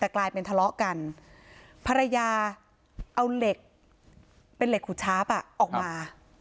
แต่กลายเป็นทะเลาะกันภรรยาเอาเหล็กเป็นเหล็กขูดชาร์ปออกมา